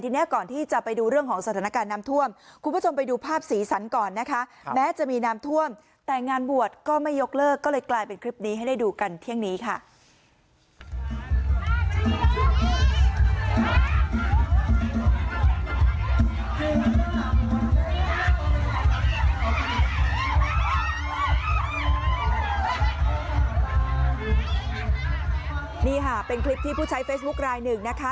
นี่ค่ะเป็นคลิปที่ผู้ใช้เฟซบุ๊ครายหนึ่งนะคะ